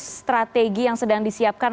strategi yang sedang disiapkan